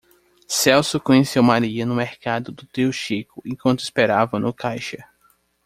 celso conheceu maria no mercado do tio chico enquanto esperavam no caixa